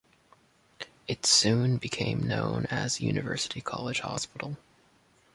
It soon became known as University College Hospital.